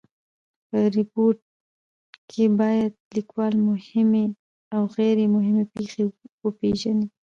په ریپورټ کښي باید لیکوال مهمي اوغیري مهمي پېښي وپېژني.